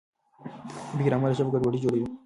بې ګرامره ژبه ګډوډي جوړوي.